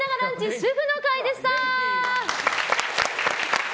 主婦の会でした。